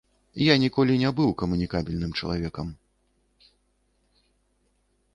Я ніколі не быў камунікабельным чалавекам.